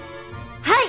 はい！